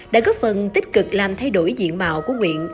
đã góp phần tích cực làm thay đổi diện mạo của nguyện